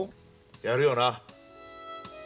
やるよな？